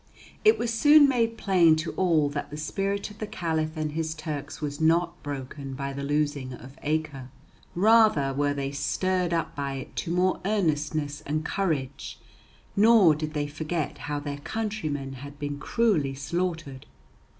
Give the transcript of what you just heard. It was soon made plain to all that the spirit of the Caliph and his Turks was not broken by the losing of Acre. Rather were they stirred up by it to more earnestness and courage; nor did they forget how their countrymen had been cruelly slaughtered.